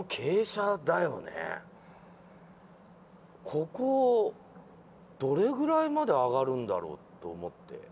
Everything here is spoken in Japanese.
ここどれぐらいまで上がるんだろうと思って。